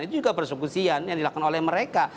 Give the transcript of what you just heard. itu juga persekusian yang dilakukan oleh mereka